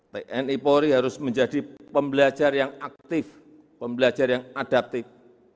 tni polri harus menjadi pembelajar yang aktif pembelajar yang adaptif